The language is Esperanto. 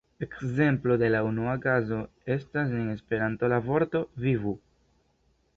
Ekzemplo de la unua kazo estas en Esperanto la vorto "vivu!